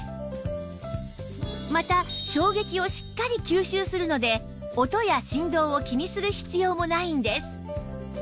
また衝撃をしっかり吸収するので音や振動を気にする必要もないんです